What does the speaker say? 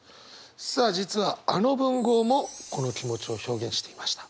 さあ実はあの文豪もこの気持ちを表現していました。